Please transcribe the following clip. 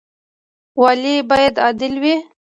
والي باید عادل وي